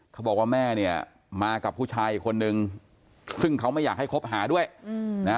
เขาบอกว่าแม่เนี่ยมากับผู้ชายอีกคนนึงซึ่งเขาไม่อยากให้คบหาด้วยนะ